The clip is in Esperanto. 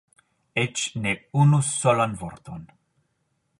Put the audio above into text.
Eĉ ne unu solan vorton!